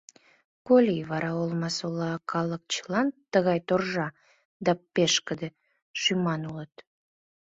Коли вара Олмасола калык чылан тыгай торжа да пешкыде шӱман улыт?